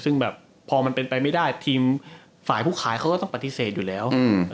ซึ่งพอมันเป็นไปไม่ได้ว่าทีมฝ่าผู้ขายจะต้องปฏิเสธอยู่แล้ว